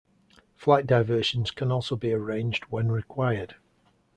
Flight diversions can also be arranged when required.